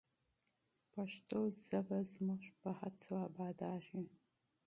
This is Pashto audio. پښتو ژبه زموږ په هڅو ابادیږي.